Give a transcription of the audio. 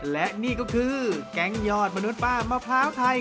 และนี่ก็คือแก๊งยอดมนุษย์ป้ามะพร้าวไทย